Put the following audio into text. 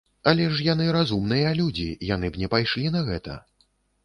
Але ж яны разумныя людзі, яны б не пайшлі на гэта.